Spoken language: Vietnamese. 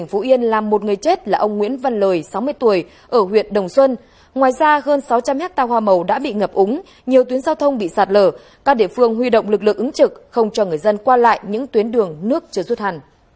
hãy đăng ký kênh để ủng hộ kênh của chúng mình nhé